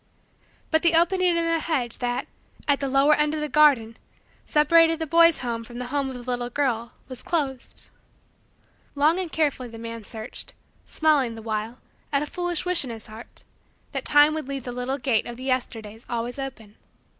But the opening in the hedge that, at the lower end of the garden, separated the boy's home from the home of the little girl, was closed. Long and carefully the man searched; smiling, the while, at a foolish wish in his heart that time would leave that little gate of the Yesterdays always open.